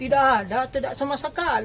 tidak ada tidak sama sekali